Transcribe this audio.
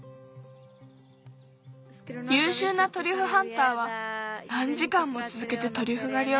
ゆうしゅうなトリュフハンターはなんじかんもつづけてトリュフがりをすることがある。